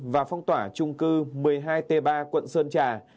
và phong tỏa trung cư một mươi hai t ba quận sơn trà